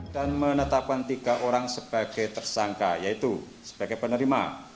dan menetapkan tiga orang sebagai tersangka yaitu sebagai penerima